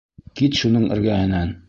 Кит шуның эргәһенән!